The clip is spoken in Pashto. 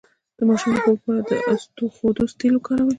د ماشوم د خوب لپاره د اسطوخودوس تېل وکاروئ